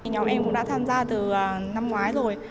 nhóm em cũng đã tham gia từ năm ngoái rồi